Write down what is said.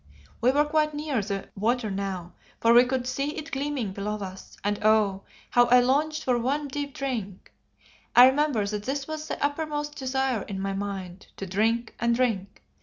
We were quite near the water now, for we could see it gleaming below us, and oh! how I longed for one deep drink. I remember that this was the uppermost desire in my mind, to drink and drink.